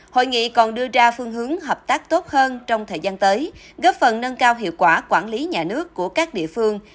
hội nghị còn đưa ra phương hướng hợp tác tốt hơn trong thời gian tới góp phần nâng cao hiệu quả quản lý nhà nước của các địa phương